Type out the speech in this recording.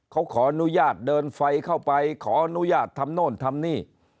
เขาขออนุญาตเดินไฟเข้าไปขออนุญาตทำโน่นทำนี่